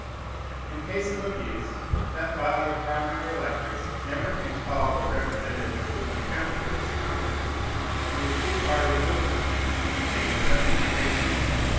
In case of abuse, that body of primary electors never can call the representative to an account for his conduct. He is too far removed from them in the chain of representation.